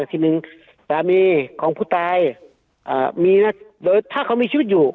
ทีนึงสามีของผู้ตายมีนะโดยถ้าเขามีชีวิตอยู่